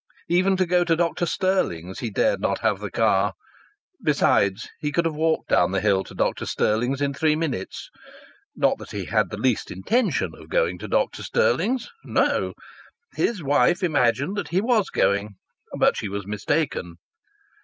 Even to go to Dr Stirling's he dared not have the car. Besides, he could have walked down the hill to Dr. Stirling's in three minutes. Not that he had the least intention of going to Dr. Stirling's. No! His wife imagined that he was going. But she was mistaken.